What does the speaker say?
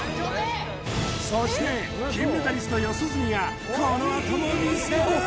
そして金メダリスト四十住がこのあともみせる！